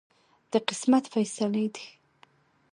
د قسمت فیصلې دي.